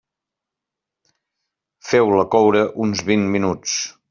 Feu-la coure uns vint minuts.